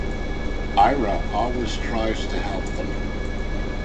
Indra always tries to help them.